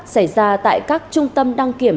xảy ra tại các trung tâm đăng kiểm